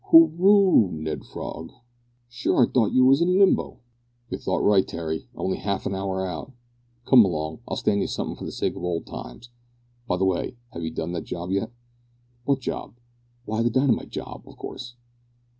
"Hooroo! Ned Frog, sure I thought ye was in limbo!" "You thought right, Terry; only half an hour out. Come along, I'll stand you somethin' for the sake of old times. By the way, have you done that job yet?" "What job?" "Why, the dynamite job, of course."